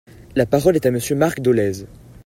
La parole est à Monsieur Marc Dolez.